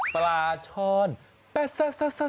ปลาช่อนแป๊ะซ้า